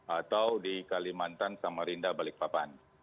atau di kalimantan samarinda balikpapan